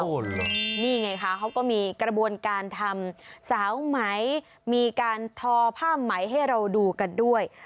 นี่ไงคะเขาก็มีกระบวนการทำสาวไหมมีการทอผ้าไหมให้เราดูกันด้วย